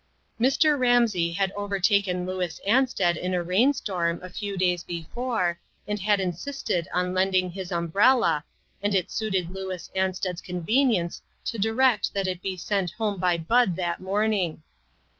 Mr. Ramsey had overtaken Louis Ansted in a rain storm, a few days before, and had insisted on lending his umbrella, and it suited Louis Ansted's convenience to direct that it be sent home by Bad that morn ing.